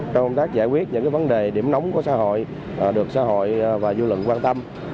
trong công tác giải quyết những vấn đề điểm nóng của xã hội được xã hội và dư luận quan tâm